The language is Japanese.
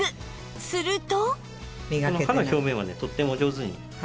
すると